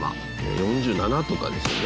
４７とかですよね